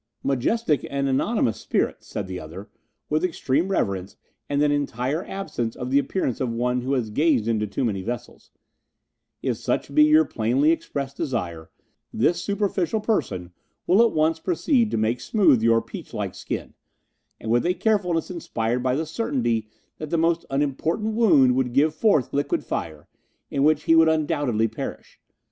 "Majestic and anonymous spirit," said the other, with extreme reverence, and an entire absence of the appearance of one who had gazed into too many vessels, "if such be your plainly expressed desire, this superficial person will at once proceed to make smooth your peach like skin, and with a carefulness inspired by the certainty that the most unimportant wound would give forth liquid fire, in which he would undoubtedly perish.